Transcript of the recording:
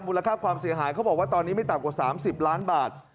ค่าความเสียหายเขาบอกว่าตอนนี้ไม่ต่ำกว่า๓๐ล้านบาท